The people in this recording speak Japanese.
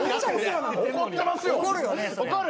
怒ってますよ！